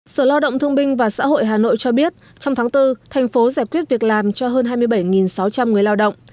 sở lao động thương binh và xã hội hà nội cho biết trong tháng bốn thành phố giải quyết việc làm cho hơn hai mươi bảy sáu trăm linh người lao động